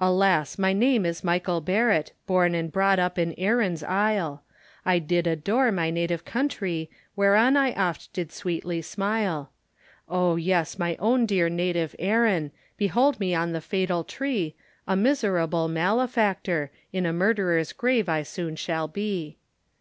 Alas! my name is Michael Barrett, Born and brought up in Erin's isle, I did adore my native country, Wheron I oft did sweetly smile; Oh yes, my own dear native Erin, Behold me on the fatal tree, A miserable malefactor, In a murderer's grave I soon shall be.